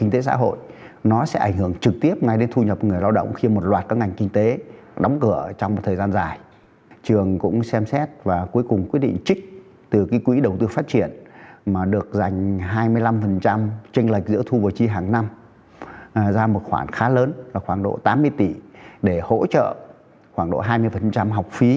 từ tháng năm ra một khoản khá lớn là khoảng độ tám mươi tỷ để hỗ trợ khoảng độ hai mươi học phí